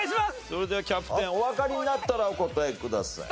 それではキャプテンおわかりになったらお答えください。